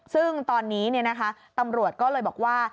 ซึ่งตอนนี้ตำรวจก็เลยบอกว่า